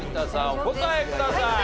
お答えください。